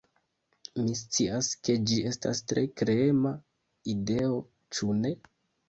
Mi scias, ke ĝi estas tre kreema ideo, ĉu ne?